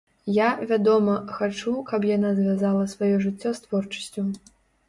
Я, вядома, хачу, каб яна звязала сваё жыццё з творчасцю.